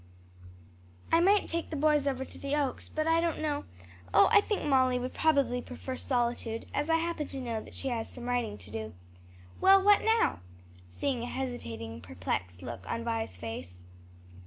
"I might take the boys over to the Oaks, but I don't know oh, I think Molly would probably prefer solitude, as I happen to know that she has some writing to do. Well, what now?" seeing a hesitating, perplexed look on Vi's face.